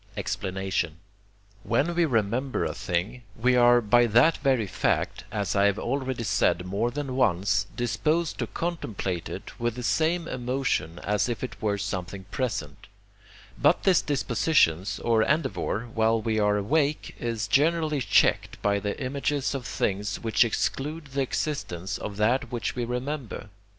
Explanation When we remember a thing, we are by that very fact, as I have already said more than once, disposed to contemplate it with the same emotion as if it were something present; but this disposition or endeavour, while we are awake, is generally checked by the images of things which exclude the existence of that which we remember.